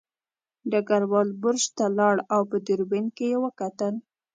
ډګروال برج ته لاړ او په دوربین کې یې وکتل